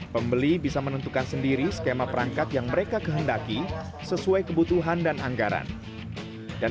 pembeli bisa menentukan sendiri skema perangkat yang mereka kehendaki sesuai kebutuhan dan anggaran dan